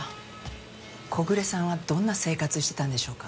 小暮さんはどんな生活してたんでしょうか？